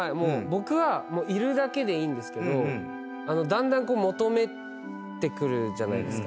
僕はいるだけでいいんですけどだんだん求めてくるじゃないですか。